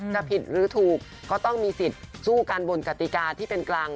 จะผิดหรือถูกก็ต้องมีสิทธิ์สู้กันบนกติกาที่เป็นกลาง